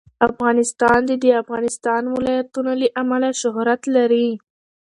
افغانستان د د افغانستان ولايتونه له امله شهرت لري.